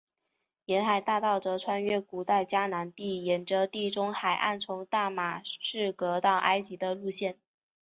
沿海大道则穿越古代迦南地沿着地中海岸从大马士革到埃及的路线。